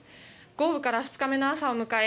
豪雨から２日目の朝を迎え